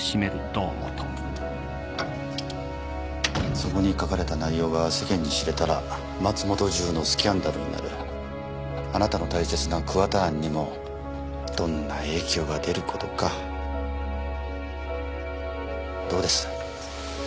そこに書かれた内容が世間に知れたら松本中のスキャンダルになるあなたの大切な桑田庵にもどんな影響が出ることかどうです？